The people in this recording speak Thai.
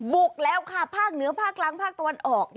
บุกแล้วค่ะภาคเหนือภาคล้างภาคตะวันออก